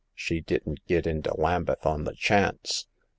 She didn't git int' Lambeth on the chance